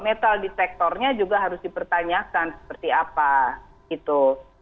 metal detektornya juga harus dipertanyakan seperti apa gitu